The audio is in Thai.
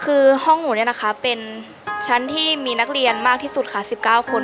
คือห้องหนูเนี่ยนะคะเป็นชั้นที่มีนักเรียนมากที่สุดค่ะ๑๙คน